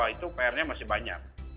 itu pr nya masih banyak